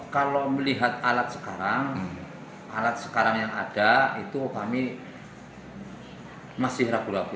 kalau melihat alat sekarang alat sekarang yang ada itu kami masih ragu ragu